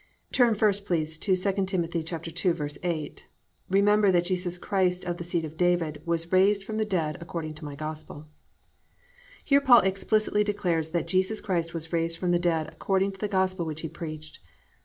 1. Turn first, please, to II Tim. 2:8, +"Remember that Jesus Christ of the seed of David, was raised from the dead, according to my gospel."+ Here Paul explicitly declares that Jesus Christ was raised from the dead according to the gospel which he preached.